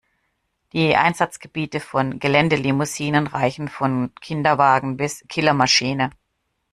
Die Einsatzgebiete von Geländelimousinen reichen von Kinderwagen bis Killermaschine.